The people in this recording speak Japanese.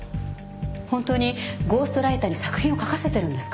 本当にゴーストライターに作品を書かせてるんですか？